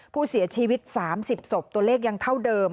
ผู้เสียชีวิต๓๐ศพตัวเลขยังเท่าเดิม